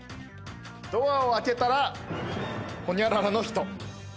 ドアを開けたらホニャララの人。